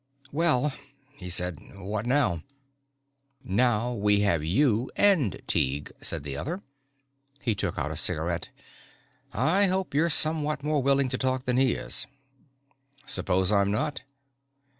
"Well," he said, "what now?" "Now we have you and Tighe," said the other. He took out a cigarette. "I hope you're somewhat more willing to talk than he is." "Suppose I'm not?"